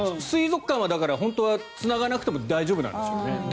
水族館は本当はつながなくても大丈夫なんですね。